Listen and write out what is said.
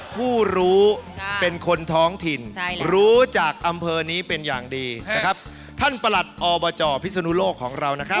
ผู้รู้เป็นคนท้องถิ่นรู้จากอำเภอนี้เป็นอย่างดีนะครับท่านประหลัดอบจพิศนุโลกของเรานะครับ